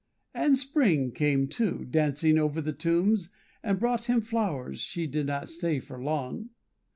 And Spring came too, Dancing over the tombs, and brought him flowers She did not stay for long.